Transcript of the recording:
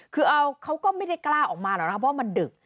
คือเขาก็ไม่ได้กล้าออกมาแล้วนะครับเพราะว่ามันดึก